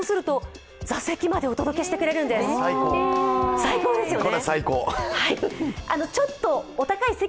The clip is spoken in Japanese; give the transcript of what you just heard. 最高ですよね。